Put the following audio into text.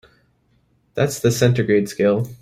That's the centigrade scale.